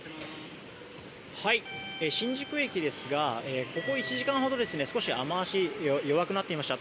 新宿駅ですがここ１時間ほど少し雨脚、弱くなっていました。